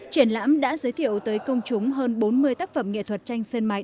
triển lãm đã giới thiệu tới công chúng hơn bốn mươi tác phẩm nghệ thuật tranh sân mài